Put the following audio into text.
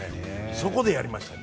そこでやりましたからね。